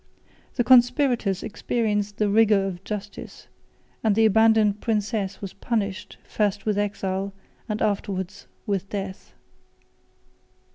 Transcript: The conspirators experienced the rigor of justice, and the abandoned princess was punished, first with exile, and afterwards with death.